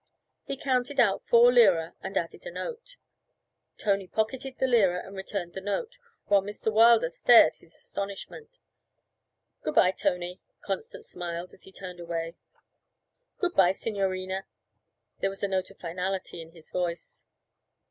He counted out four lire and added a note. Tony pocketed the lire and returned the note, while Mr. Wilder stared his astonishment. 'Good bye, Tony,' Constance smiled as he turned away. 'Good bye, signorina.' There was a note of finality in his voice.